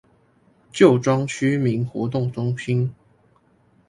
舊莊區民活動中心